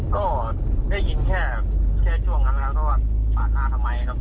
ก็ได้ยินแค่ช่วงนั้นแล้วก็ว่าปาดหน้าทำไม